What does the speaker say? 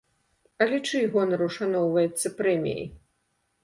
Але чый гонар ушаноўваецца прэміяй?